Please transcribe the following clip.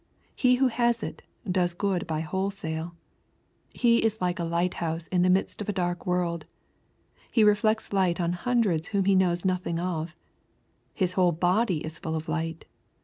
He who has it, does good by wholesale. He is like a light house in the midst of a dark world. He reflects light on hundreds whom he knows nothing of. " His whole body is full of light."